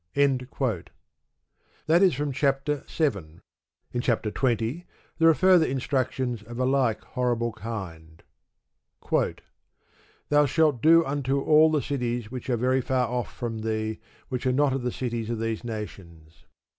That is from chapter vii. In chapter xx. there are further instructions of a like horrible kind: Thus shalt thou do unto all the cities which are very far off from thee, which are not of the cities of these nations.